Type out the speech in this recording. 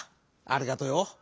ありがとうよ。